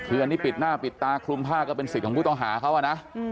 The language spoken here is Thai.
เพื่อนหน้าผิดตาคลุมผ้าก็เป็นสิทธิ์ของผู้ต้องหาเขาอ่ะนะ